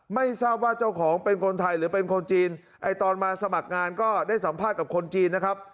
ไม่ทราบว่าเจ้าของเป็นคนไทยหรือเป็นคนจีนไอ้ตอนมาสมัครงานก็ได้สัมภาษณ์กับคนจีนนะครับ